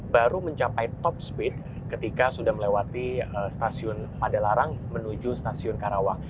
baru mencapai top speed ketika sudah melewati stasiun padalarang menuju stasiun karawang